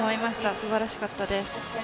すばらしかったです。